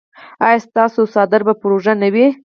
ایا ستاسو څادر به پر اوږه نه وي؟